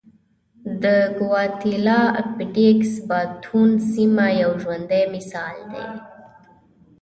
د ګواتیلا پټېکس باټون سیمه یو ژوندی مثال دی.